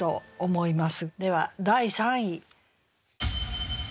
では第３位。